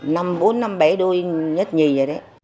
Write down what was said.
năm bốn năm bảy đôi nhất nhì rồi đấy